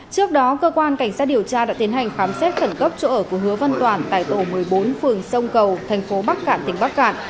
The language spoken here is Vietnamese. trước đó cơ quan cảnh sát điều tra đã tiến hành khám xét khẩn cấp chỗ ở của hứa văn toản tại tổ một mươi bốn phường sông cầu thành phố bắc cạn tỉnh bắc cạn